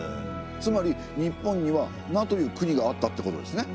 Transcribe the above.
つまり日本には奴という国があったってことですね。